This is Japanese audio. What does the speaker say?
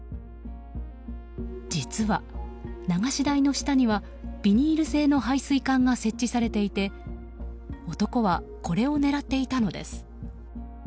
実は流し台の下にはビニール製の排水管が設置されていて男はこれを狙っていたのです。